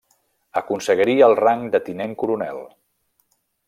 Aconseguiria el rang de tinent coronel.